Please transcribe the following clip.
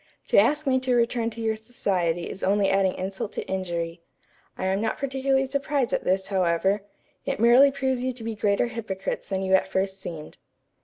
To ask me to return to your society is only adding insult to injury. I am not particularly surprised at this, however. It merely proves you to be greater hypocrites than you at first seemed.